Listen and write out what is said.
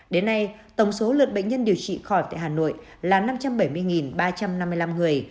đến nay tổng số lượt bệnh nhân điều trị khỏi tại hà nội là năm trăm bảy mươi ba trăm năm mươi năm người